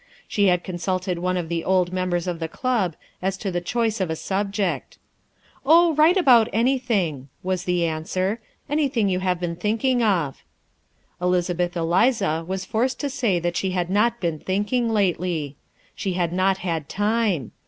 She had consulted one of the old members of the Club as to the choice of a subject. "Oh, write about anything," was the answer, "anything you have been thinking of." Elizabeth Eliza was forced to say she had not been thinking lately. She had not had time.